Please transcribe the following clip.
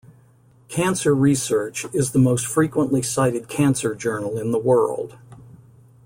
"Cancer Research" is the most frequently cited cancer journal in the world.